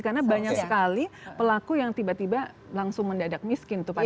karena banyak sekali pelaku yang tiba tiba langsung mendadak miskin